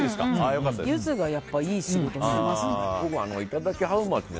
ユズがいい仕事していますね。